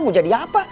mau jadi apa